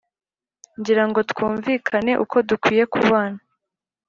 ngira ngo twumvikane uko dukwiye kubana